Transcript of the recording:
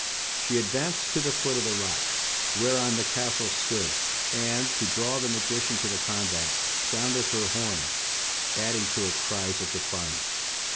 She advanced to the foot of the rock whereon the castle stood, and, to draw the magician to the combat, sounded her horn, adding to it cries of defiance.